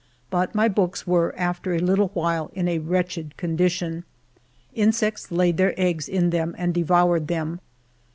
But my books were, after a little while, in a wretched condition. Insects laid their eggs in ALFRED DREYFUS 227 them and devoured them.